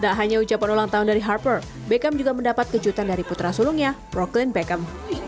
tak hanya ucapan ulang tahun dari harper beckham juga mendapat kejutan dari putra sulungnya proklin beckham